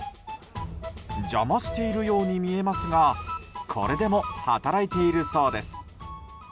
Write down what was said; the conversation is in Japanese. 邪魔しているように見えますがこれでも働いているそうです。